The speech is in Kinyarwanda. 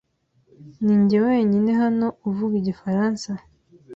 Ninjye wenyine hano uvuga igifaransa?